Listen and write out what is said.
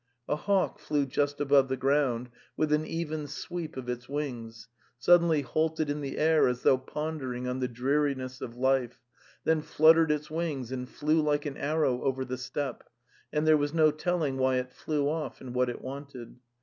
A hawk flew just above the ground, with an even sweep of its wings, suddenly halted in the air as though pondering on the dreariness of life, then flut tered its wings and flew like an arrow over the steppe, and there was no telling why it flew off and what it wanted.